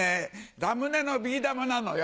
ラムネのビー玉なのよ。